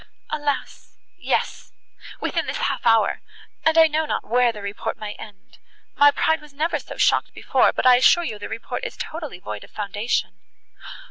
"Alas, yes! within this half hour; and I know not where the report may end;—my pride was never so shocked before, but I assure you the report is totally void of foundation."